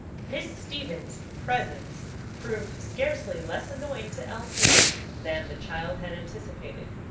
Miss Stevens' presence proved scarcely less annoying to Elsie than the child had anticipated.